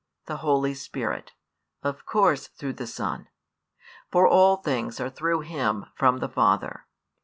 the Holy Spirit, of course through the Son; for all things are through Him from the Father.